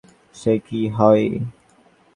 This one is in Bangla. সে কি হয়?